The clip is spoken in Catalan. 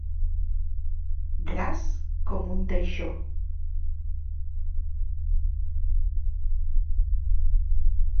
Gras com un teixó.